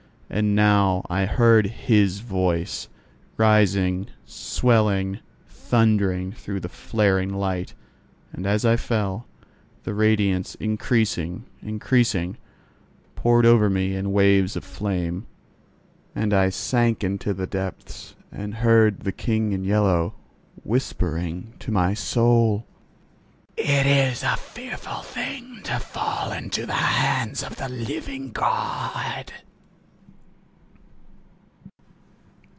And now I heard his voice, rising, swelling, thundering through the flaring light, and as I fell, the radiance increasing, increasing, poured over me in waves of flame. Then I sank into the depths, and I heard the King in Yellow whispering to my soul: "It is a fearful thing to fall into the hands of the living God!"